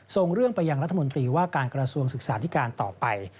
ส่งเรื่องไปยังรัฐมนตรีว่าการกระทรวงศึกษาธิการต่อไป